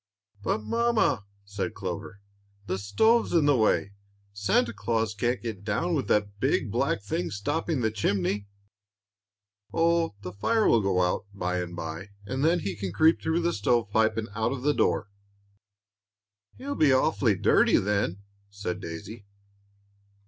"But, mamma," said Clover, "the stove's in the way. Santa Claus can't get down with that big black thing stopping the chimney." "Oh, the fire will go out by and by, and then he may creep through the stove pipe and out of the door." "He'll be awful dirty, then," said Daisy.